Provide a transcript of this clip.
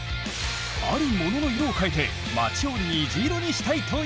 あるものの色を変えて町を虹色にしたいという。